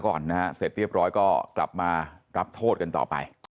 ไปประมาทรักษาก่อนนะเสร็จเรียบร้อยก็กลับมารับโทษกันต่อไป